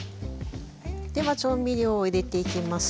では調味料を入れていきます。